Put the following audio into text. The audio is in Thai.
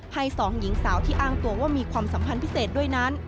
ให้สองหญิงสาวที่อ้างตัวว่ามีความสัมพันธ์พิเศษด้วยนั้น